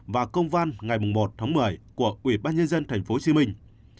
và công văn ngày một một mươi của ubnd tp hồ chí minh